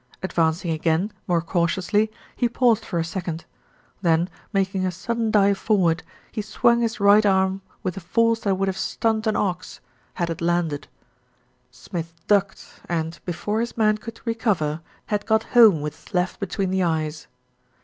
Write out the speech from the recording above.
Ad vancing again, more cautiously, he paused for a sec ond. Then, making a sudden dive forward, he swung his right arm with a force that would have stunned LITTLE BILSTEAD ACHES WITH DRAMA 301 an ox had it landed. Smith ducked and, before his man could recover, had got home with his left be tween the eyes.